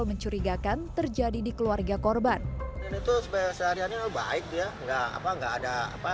yang mencurigakan terjadi di keluarga korban itu sehariannya baik ya enggak apa apa enggak ada apa